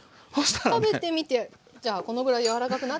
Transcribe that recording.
食べてみてじゃあこのぐらい柔らかくなっていたら。